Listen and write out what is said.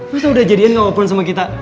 masa udah jadian nelfon sama kita